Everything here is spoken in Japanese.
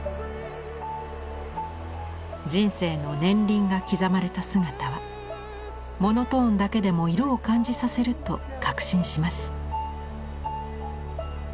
人生の年輪が刻まれた姿はモノトーンだけでも色を感じさせると確信します。